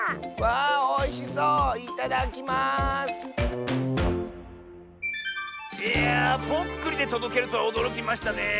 いやぽっくりでとどけるとはおどろきましたねえ。